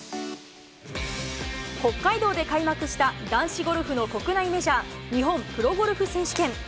北海道で開幕した、男子ゴルフの国内メジャー、日本プロゴルフ選手権。